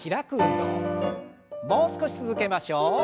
もう少し続けましょう。